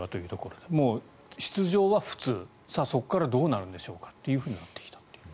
もう出場は普通そこからどうなるんでしょうかとなってきたと。